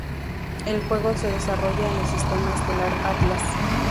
El juego se desarrolla en el sistema estelar Atlas.